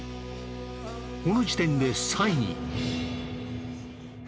この時点で３位に。